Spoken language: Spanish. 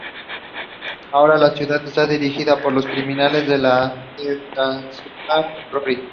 Ahora, la ciudad es dirigida por criminales, lo que entusiasma a Rory.